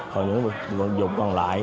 còn những dục còn lại